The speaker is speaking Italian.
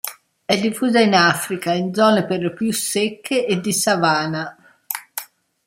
È diffusa in Africa, in zone per lo più secche e di savana.